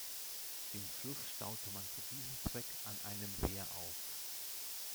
Den Fluss staute man zu diesem Zweck an einem Wehr auf.